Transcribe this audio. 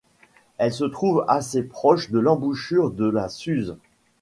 Elle se trouve assez proche de l'embouchure de la Suze.